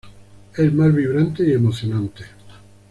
Es más vibrante y emocionante.